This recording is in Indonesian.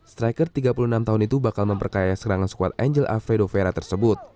striker tiga puluh enam tahun itu bakal memperkaya serangan squad angel avedo vera tersebut